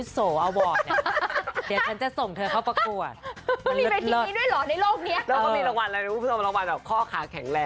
คาลาเจนต้องเข้าเป็นสปอนเซอร์อะไรแบบนี้แหละ